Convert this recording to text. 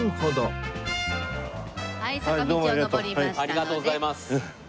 ありがとうございます。